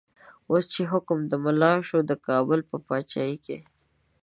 اوس چه حکم د ملا شو، دکابل په پاچایی کی